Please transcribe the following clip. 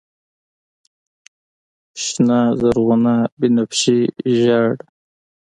شنه، زرغونه، بنفشیې، ژړ